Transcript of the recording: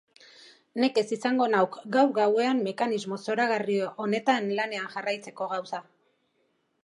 Nekez izango nauk gaur gauean mekanismo zoragarri honetan lanean jarraitzeko gauza.